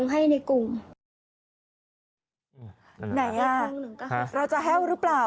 ไหนอ่ะเราจะแห้วหรือเปล่า